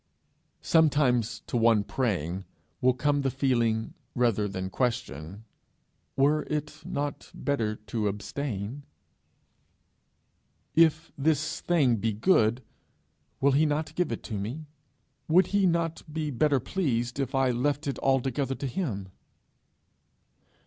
Sometimes to one praying will come the feeling rather than question: 'Were it not better to abstain? If this thing be good, will he not give it me? Would he not be better pleased if I left it altogether to him?'